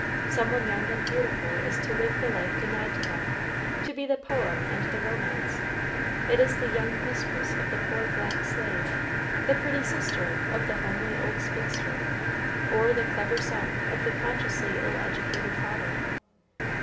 Some one young and beautiful is to live the life denied to them to be the poem and the romance; it is the young mistress of the poor black slave the pretty sister of the homely old spinster or the clever son of the consciously ill educated father.